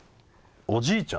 おじいちゃん。